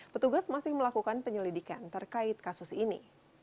petugas masih melakukan penyelidikan terkait kasus ini